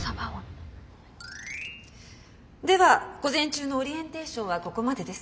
では午前中のオリエンテーションはここまでです。